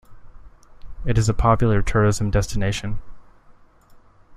It is a popular tourism destination.